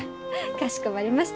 かしこまりました。